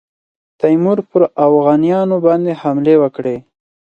تیمور پر اوغانیانو باندي حملې وکړې.